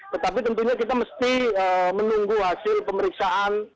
tetapi tentunya kita mesti menunggu hasil pemeriksaan